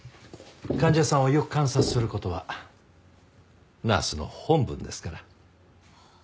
患者さんをよく観察する事はナースの本分ですから。